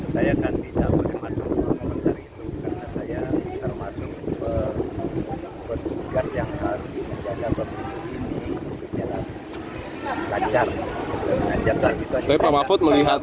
saya akan tidak menempatkan itu karena saya termasuk bertugas yang harus menjaga pemilu ini